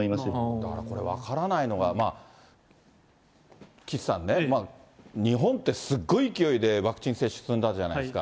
だからこれ、分からないのは、岸さんね、日本ってすごい勢いで、ワクチン接種進んだじゃないですか。